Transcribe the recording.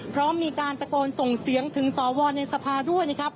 พร้อมมีการตะโกนส่งเสียงถึงสวในสภาด้วยนะครับ